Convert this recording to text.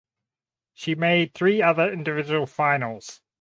She made three other individual finals.